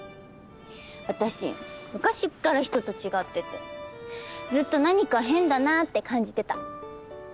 私昔っから人と違っててずっと何か変だなって感じてた。